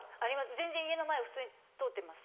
全然家の前を普通に通ってます